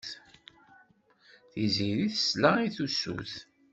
Tiziri tesla i tusut.